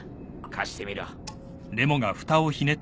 貸してみろ。